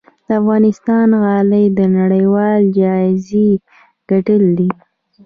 د افغانستان غالۍ نړیوال جایزې ګټلي دي